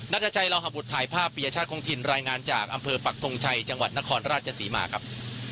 นัทชัยลาวหบุตรถ่ายภาพปียชาติคงถิ่นรายงานจากอำเภอปักทงชัยจังหวัดนครราชศรีมาครับ